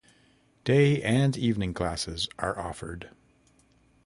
Day and evening classes are offered.